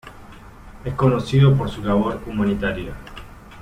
Es conocido por su labor humanitaria.